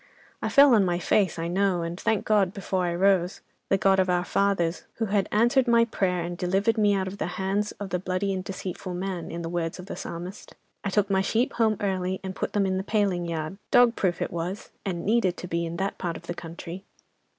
I fell on my face, I know, and thanked God before I rose—the God of our fathers, who had answered my prayer and delivered me out of the hand of the "bloody and deceitful man," in the words of the Psalmist. I took my sheep home early, and put them in the paling yard—dog proof it was—and needed to be, in that part of the country.